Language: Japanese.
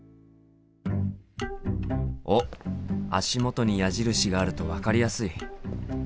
おっ足元に矢印があると分かりやすい。